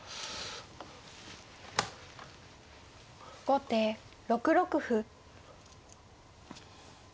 後手６六歩。